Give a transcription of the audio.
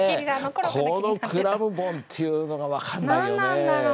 このクラムボンっていうのが分かんないよね。